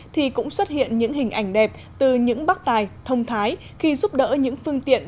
thì cũng xuất hiện những hình ảnh đẹp từ những bác tài thông thái khi giúp đỡ những phương tiện